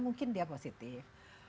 mungkin dia positif